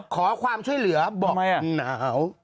ขอความช่วยเหลือบอกหนาว